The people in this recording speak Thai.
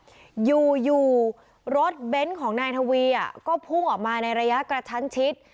อย่างนั้นยังแบนต์ของนายธวีก็พุ่งออกมาในระยะกระทั้งชิด